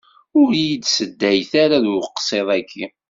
Ur yi-d-seddayet ara deg uqsiḍ-aki.